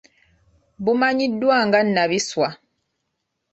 Bumanyiddwa nga nnabiswa.